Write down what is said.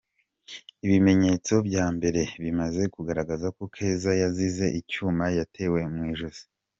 Ibimenyetso bya mbere, bimaze kugaragaza ko Keza yazize icyuma yatewe mu ijosi.